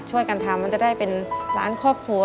ช่วยกันทำมันจะได้เป็นร้านครอบครัว